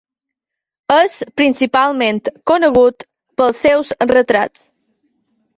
És principalment conegut pels seus retrats.